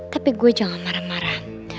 tapi gue jangan marah marah